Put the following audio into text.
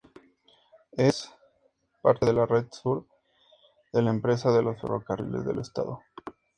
Es parte de la Red Sur de la Empresa de los Ferrocarriles del Estado.